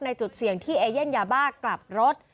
จุดเสี่ยงที่เอเย่นยาบ้ากลับรถ